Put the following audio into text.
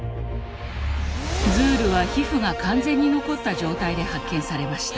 ズールは皮膚が完全に残った状態で発見されました。